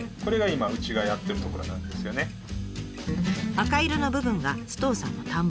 赤色の部分が首藤さんの田んぼ。